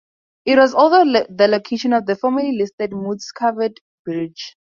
It was also the location of the formerly listed Mood's Covered Bridge.